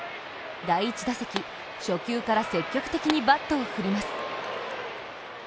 第１打席、初球から積極的にバットを振ります。